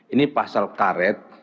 ini pasal karet